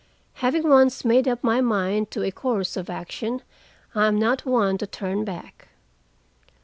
Having once made up my mind to a course of action, I am not one to turn back.